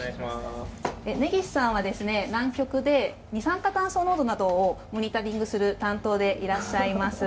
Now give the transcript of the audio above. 根岸さんは南極で二酸化炭素濃度などをモニタリングする担当でいらっしゃいます。